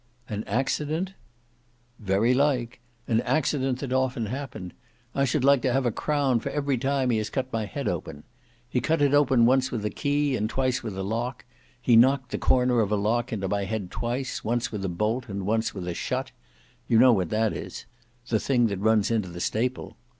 "An accident?" "Very like. An accident that often happened. I should like to have a crown for every time he has cut my head open. He cut it open once with a key and twice with a lock; he knocked the corner of a lock into my head twice, once with a bolt and once with a shut; you know what that is; the thing what runs into the staple.